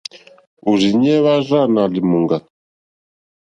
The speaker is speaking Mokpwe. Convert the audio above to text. Òrzìɲɛ́ hwá rzâ nà lìmùŋɡà.